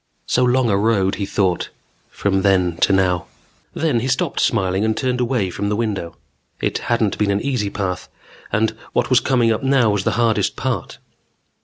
So long a road, he thought, from then to now. Then he stopped smiling and turned away from the window. It hadn't been an easy path and what was coming up now was the hardest part.